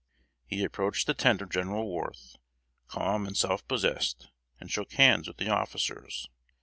He approached the tent of General Worth, calm and self possessed, and shook hands with the officers.